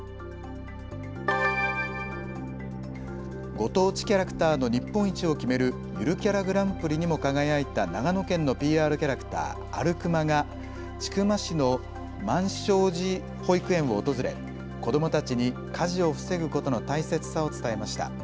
ご当地キャラクターの日本一を決める、ゆるキャラグランプリにも輝いた長野県のＰＲキャラクター、アルクマが千曲市の満照寺保育園を訪れ子どもたちに火事を防ぐことの大切さを伝えました。